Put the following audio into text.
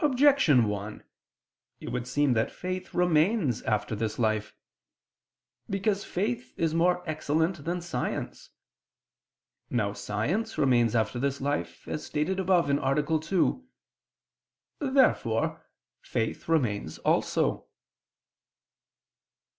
Objection 1: It would seem that faith remains after this life. Because faith is more excellent than science. Now science remains after this life, as stated above (A. 2). Therefore faith remains also.